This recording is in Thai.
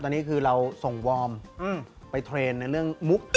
ตอนนี้คือเราส่งวอร์มไปเทรนด์ในเรื่องมุก